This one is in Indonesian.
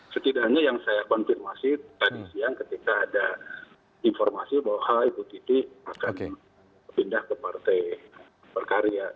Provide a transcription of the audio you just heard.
setidaknya yang saya konfirmasi tadi siang ketika ada informasi bahwa ibu titi akan pindah ke partai berkarya